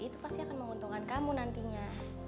itu pasti akan menguntungkan kamu nantinya